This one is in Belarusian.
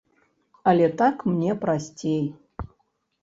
Але так мне прасцей.